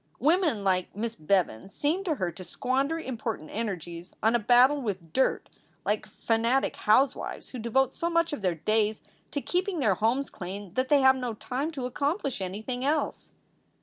Women like Miss Bevan seemed to her to squander important energies on a battle with dirt, like fanatic house wives who devote so much of their days to keeping their homes clean that they have no time to accomplish anything else.